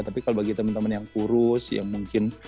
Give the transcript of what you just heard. tapi kalau bagi teman teman yang kurus ya mungkin